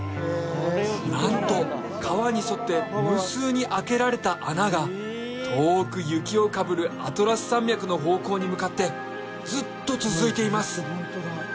なんと川に沿って無数にあけられた穴が遠く雪をかぶるアトラス山脈の方向に向かってずっと続いています